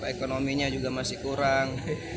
ekonominya juga masih kurang